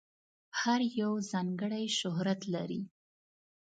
هر یو ځانګړی شهرت لري.